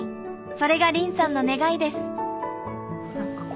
それが凜さんの願いです。